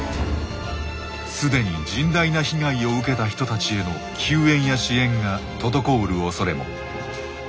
既に甚大な被害を受けた人たちへの救援や支援が滞るおそれも。